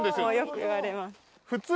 よく言われます。